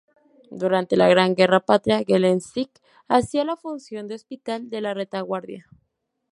Durante la Gran Guerra Patria, Gelendzhik hacía la función de hospital de la retaguardia.